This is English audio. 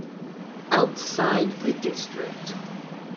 Outside the district.